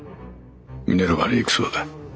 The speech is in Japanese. ミネルヴァに行くそうだ。